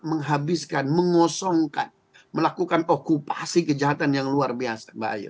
menghabiskan mengosongkan melakukan okupasi kejahatan yang luar biasa mbak ayu